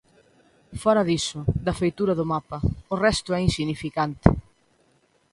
Fóra diso, da feitura do mapa, o resto é insignificante.